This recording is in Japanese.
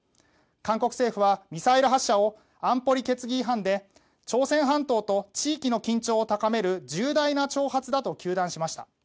韓国政府はミサイル発射を安保理決議違反で朝鮮半島と地域の緊張を高める重大な挑発だと糾弾しました。